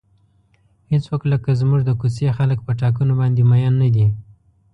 هیڅوک لکه زموږ د کوڅې خلک په ټاکنو باندې مین نه دي.